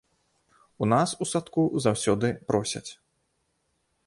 У нас у садку заўсёды просяць.